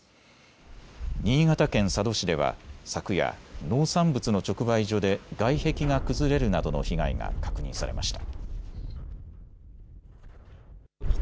新潟県佐渡市では昨夜、農産物の直売所で外壁が崩れるなどの被害が確認されました。